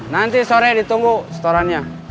nanti sore ditunggu storannya